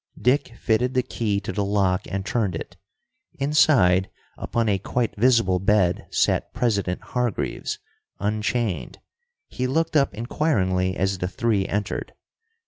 Dick fitted the key to the lock and turned it. Inside, upon a quite visible bed, sat President Hargreaves, unchained. He looked up inquiringly as the three entered.